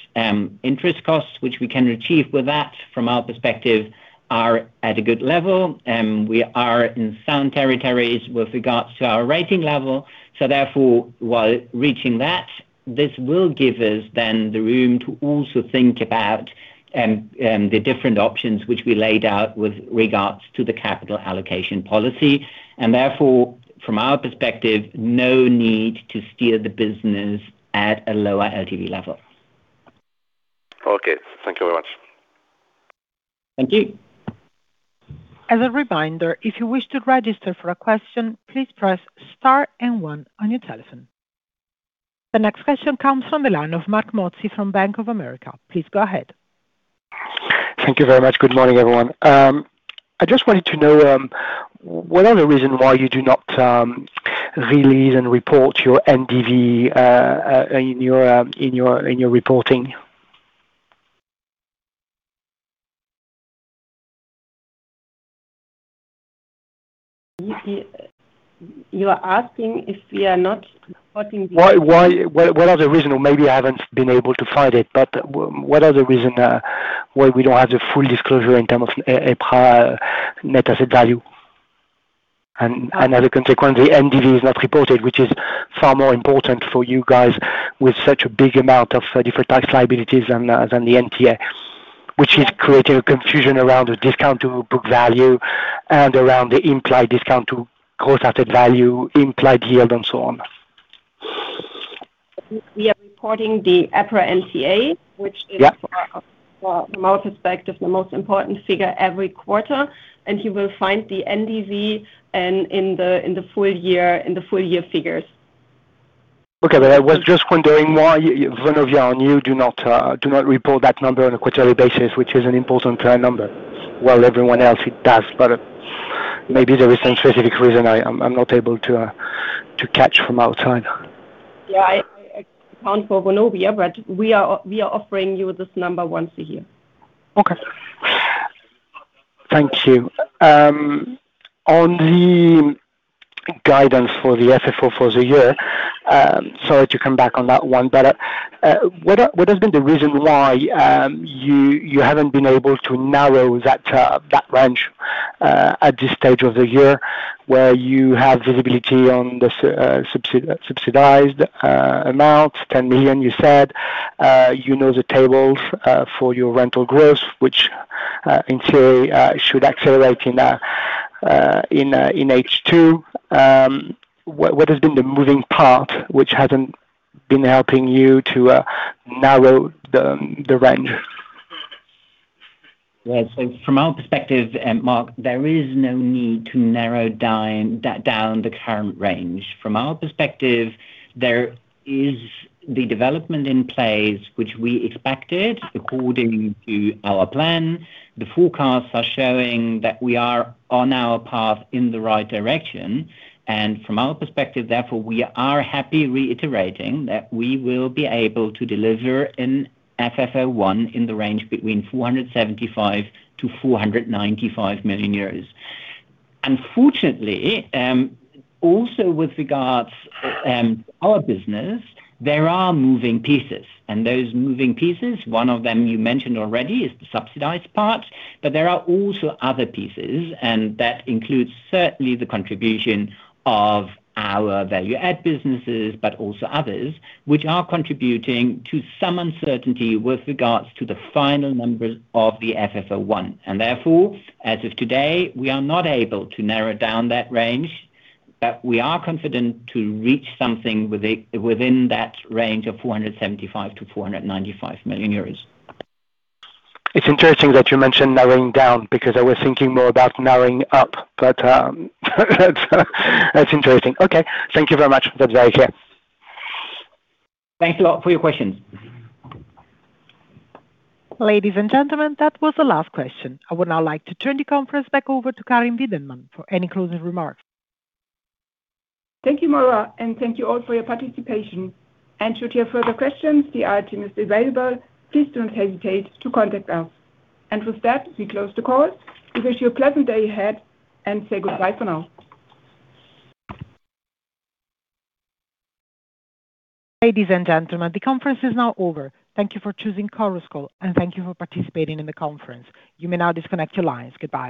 Interest costs, which we can achieve with that, from our perspective, are at a good level. We are in sound territories with regard to our rating level. Therefore, while reaching that, this will give us then the room to also think about the different options which we laid out with regard to the capital allocation policy, and therefore, from our perspective, there is no need to steer the business at a lower LTV level. Okay. Thank you very much. Thank you. As a reminder, if you wish to register for a question, please press star and one on your telephone. The next question comes from the line of Marc Mozzi from Bank of America. Please go ahead. Thank you very much. Good morning, everyone. I just wanted to know what are the reason why you do not release and report your NDV in your reporting. You are asking if we are not reporting the— As a consequence, the NDV is not reported, which is far more important for you guys with such a big amount of deferred tax liabilities than the NTA, which is creating a confusion around the discount to book value and around the implied discount to core stated value, implied yield and so on. We are reporting the EPRA NTA, which is. Yeah. From our perspective, the most important figure every quarter, you will find the NDV in the full-year figures. Okay, I was just wondering why Vonovia and you do not report that number on a quarterly basis, which is an important client number. Everyone else does, but maybe there is some specific reason I'm not able to catch it from outside. Yeah, I account for Vonovia; we are offering you this number once a year. Okay. Thank you. On the guidance for the FFO for the year, sorry to come back on that one, what has been the reason why you haven't been able to narrow that range at this stage of the year where you have visibility on the subsidized amount, 10 million you said, you know the tables for your rental growth, which in theory should accelerate in H2. What has been the moving part which hasn't been helping you to narrow the range? Yeah. From our perspective, Marc, there is no need to narrow down the current range. From our perspective, there is the development in place which we expected according to our plan. The forecasts are showing that we are on our path in the right direction. From our perspective, therefore, we are happy reiterating that we will be able to deliver an FFO 1 in the range between 475 million-495 million euros. Unfortunately, also with regards our business, there are moving pieces, those moving pieces, one of them you mentioned already is the subsidized part, there are also other pieces, that includes certainly the contribution of our value add businesses, also others, which are contributing to some uncertainty with regards to the final numbers of the FFO 1, therefore, as of today, we are not able to narrow down that range, we are confident to reach something within that range of 475 million-495 million euros. It's interesting that you mentioned narrowing down because I was thinking more about narrowing up. That's interesting. Okay. Thank you very much. That's very clear. Thanks a lot for your questions. Ladies and gentlemen, that was the last question. I would now like to turn the conference back over to Karin Wiedenmann for any closing remarks. Thank you, Moira, and thank you all for your participation. Should you have further questions, the IR team is available. Please don't hesitate to contact us. With that, we close the call. We wish you a pleasant day ahead and say goodbye for now. Ladies and gentlemen, the conference is now over. Thank you for choosing Chorus Call, and thank you for participating in the conference. You may now disconnect your lines. Goodbye